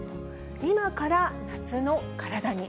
今から夏の体に。